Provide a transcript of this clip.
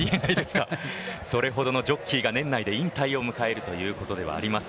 それほどのジョッキーが年内で引退を迎えるということではあります。